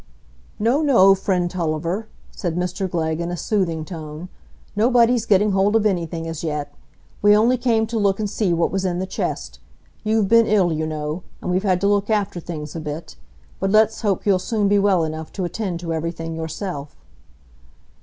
"No, no, friend Tulliver," said Mr Glegg, in a soothing tone. "Nobody's getting hold of anything as yet. We only came to look and see what was in the chest. You've been ill, you know, and we've had to look after things a bit. But let's hope you'll soon be well enough to attend to everything yourself."